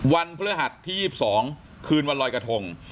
วันพฤหัสที่ยี่สิบสองคืนวันลอยกระทง